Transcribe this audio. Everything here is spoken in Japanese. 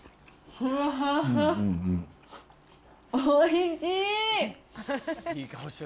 おいしい。